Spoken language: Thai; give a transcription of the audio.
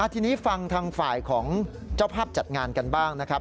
ทีนี้ฟังทางฝ่ายของเจ้าภาพจัดงานกันบ้างนะครับ